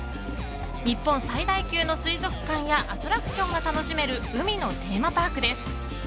日本最大級の水族館やアトラクションが楽しめる海のテーマパークです。